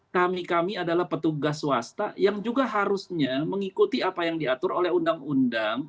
kami kami adalah petugas swasta yang juga harusnya mengikuti apa yang diatur oleh undang undang